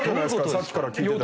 さっきから聞いてたら。